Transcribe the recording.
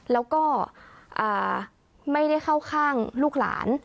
แล้วก็ไม่ได้เข้าข้างลูกหลาน